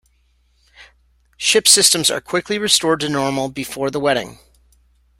Ship systems are quickly restored to normal before the wedding.